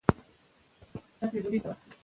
موږ د سولې او ورورولۍ غوښتونکي یو.